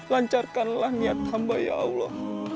lancarkanlah niat hamba ya allah